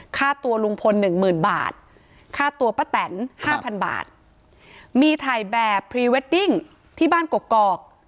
ค่าตัวลุงพล๑๐๐๐๐บาทค่าตัวป้าแต่น๕๐๐๐บาทมีถ่ายแบบพรีเวดดิ้งที่บ้านกรอก